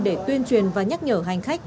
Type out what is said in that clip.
để tuyên truyền và nhắc nhở hành khách